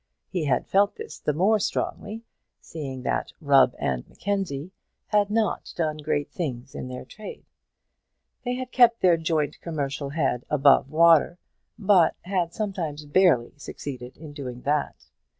He had felt this the more strongly, seeing that "Rubb and Mackenzie" had not done great things in their trade. They had kept their joint commercial head above water, but had sometimes barely succeeded in doing that.